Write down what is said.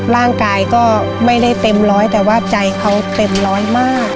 ร่างกายก็ไม่ได้เต็มร้อยแต่ว่าใจเขาเต็มร้อยมาก